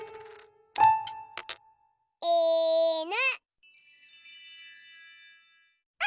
いぬ。